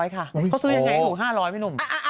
เขาซื้อยังไงถูก๕๐๐พี่หนุ่ม